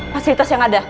fasilitas yang ada